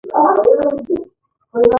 فقهي پاراډایم یا فقاهتي اسلام کې روزل شوي دي.